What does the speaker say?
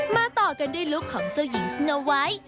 ต่อกันด้วยลุคของเจ้าหญิงสโนไวท์